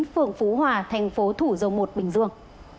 phường phú hòa thành phố thủ dầu một bình dương